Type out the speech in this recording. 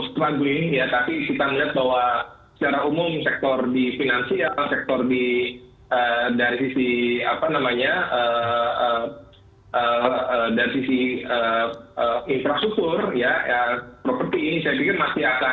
terus berkembang khususnya